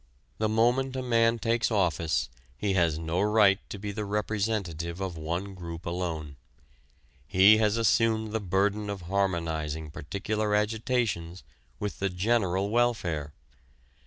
The moment a man takes office he has no right to be the representative of one group alone. He has assumed the burden of harmonizing particular agitations with the general welfare.